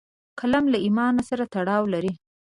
قلم له ایمان سره تړاو لري